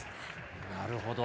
なるほど。